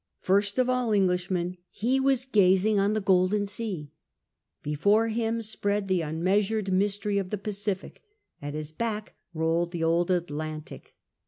First of all Englishmen he was gazing on the Golden Sea. Before him spread the unmeasured mystery of the Pacific ; at his back rolled the old Atlantic.